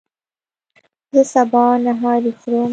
زه سبا نهاری خورم